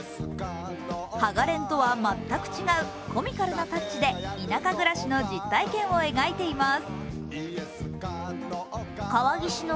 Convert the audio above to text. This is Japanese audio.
「ハガレン」とは全く違う、コミカルなタッチで田舎暮らしの実体験を描いています。